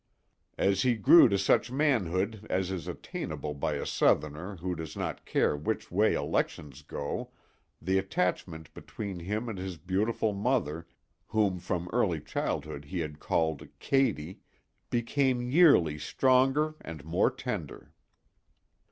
As he grew to such manhood as is attainable by a Southerner who does not care which way elections go the attachment between him and his beautiful mother—whom from early childhood he had called Katy—became yearly stronger and more tender.